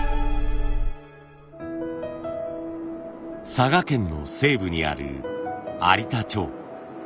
佐賀県の西部にある有田町。